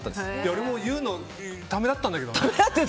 俺も言うのためらったんだけどね。